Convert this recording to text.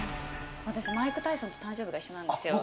私マイク・タイソンと誕生日が一緒なんですよ。